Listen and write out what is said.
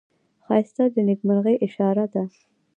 ښایست د نیکمرغۍ اشاره ده